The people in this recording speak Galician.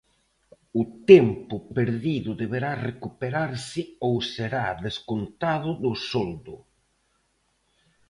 O tempo perdido deberá recuperarse ou será descontado do soldo.